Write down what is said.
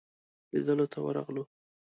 لیدلو ته ورغلو.